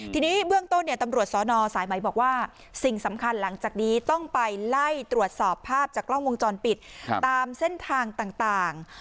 ทีนี้เบื้องต้นตำรวจสนสายไหมบอกว่าสิ่งสำคัญหลังจากนี้ต้องไปไล่ตรวจสอบภาพจากกล้องวงจรปิดตามเส้นทางต่าง